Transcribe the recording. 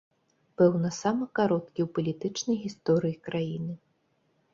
Пэўна, самы кароткі ў палітычнай гісторыі краіны.